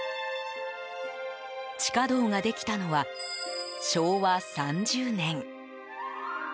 地下道ができたのは昭和３０年。